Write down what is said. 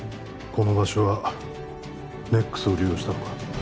この場所はＮＥＸを利用したのか？